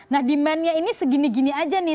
nah demandnya ini segini gini aja nih